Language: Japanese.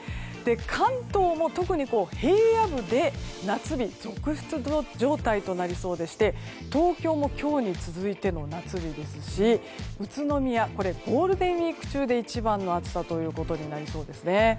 関東も特に平野部で夏日続出状態となりそうでして東京も今日に続いての夏日ですし宇都宮、ゴールデンウィーク中で一番の暑さとなりそうですね。